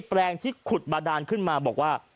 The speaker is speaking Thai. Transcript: แปลงที่ขุดบาดานขึ้นมาบอกว่า